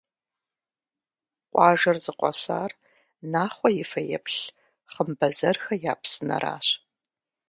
Къуажэр зыкъуэсар Нахъуэ и фэеплъ «Хъымбэзэрхэ я псынэращ».